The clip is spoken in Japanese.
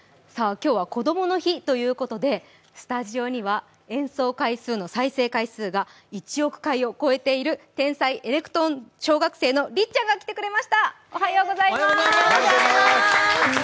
今日はこどもの日ということで、スタジオには演奏回数の再生回数が１億回を超えている天才エレクトーン小学生のりっちゃんが来てくれました。